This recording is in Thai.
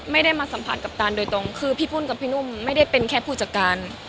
ไม่ได้มาสัมผัสกัปตันโดยตรงคือพี่พุ่นกับพี่นุ่มไม่ได้เป็นแค่ผู้จัดการ